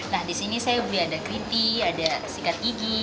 nah di sini saya beli ada keriti ada sikat gigi